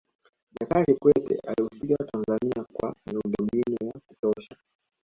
jakaya kikwete aliisuka tanzania kwa miundo mbinu ya kutosha